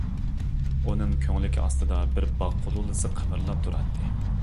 ئۇنىڭ كۆڭلىكى ئاستىدا بىر «باغ قۇلۇلىسى» قىمىرلاپ تۇراتتى.